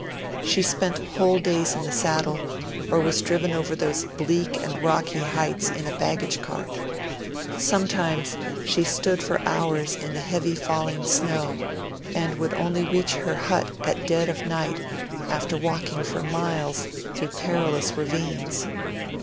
She spent whole days in the saddle, or was driven over those bleak and rocky heights in a baggage cart. Sometimes she stood for hours in the heavily failing snow, and would only reach her hut at dead of night after walking for miles through perilous ravines.